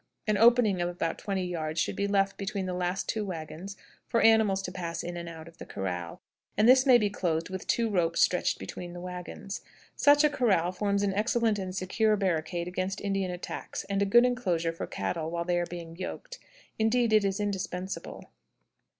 An opening of about twenty yards should be left between the last two wagons for animals to pass in and out of the corral, and this may be closed with two ropes stretched between the wagons. Such a corral forms an excellent and secure barricade against Indian attacks, and a good inclosure for cattle while they are being yoked; indeed, it is indispensable.